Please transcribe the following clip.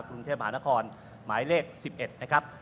กรุงเทพมหานครหมายเลข๑๑นะครับ